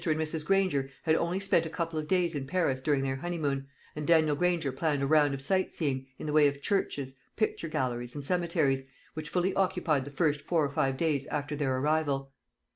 and Mrs. Granger had only spent a couple of days in Paris during their honeymoon, and Daniel Granger planned a round of sight seeing, in the way of churches, picture galleries, and cemeteries, which fully occupied the first four or five days after their arrival.